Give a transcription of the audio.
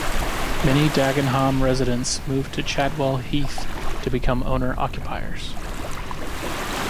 Many Dagenham residents moved to Chadwell Heath to become owner occupiers.